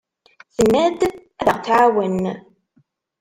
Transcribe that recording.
Tenna-d ad aɣ-tɛawen.